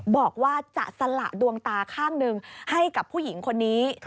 บอกว่าจะสละดวงตาข้างหนึ่งให้กับผู้หญิงคนนี้